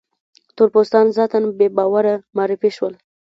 تور پوستان ذاتاً بې باوره معرفي شول.